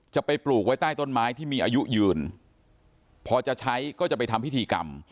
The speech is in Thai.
ไปปลูกไว้ใต้ต้นไม้ที่มีอายุยืนพอจะใช้ก็จะไปทำพิธีกรรม